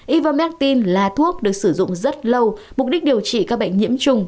ivamedin là thuốc được sử dụng rất lâu mục đích điều trị các bệnh nhiễm trùng